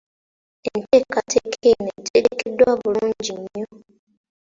Enteekateeka eno etegekeddwa bulungi nnyo!